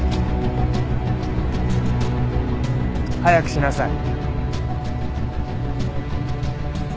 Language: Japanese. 早くしなさい。